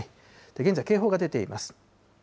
現在、警報が出ています。